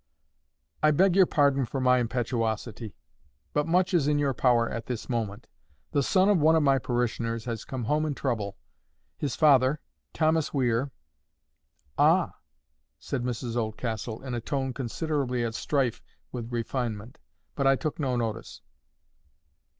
"I beg your pardon for my impetuosity; but much is in your power at this moment. The son of one of my parishioners has come home in trouble. His father, Thomas Weir—" "Ah!" said Mrs Oldcastle, in a tone considerably at strife with refinement. But I took no notice.